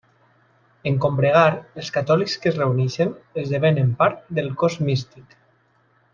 En combregar, els catòlics que es reuneixen esdevenen part del cos místic.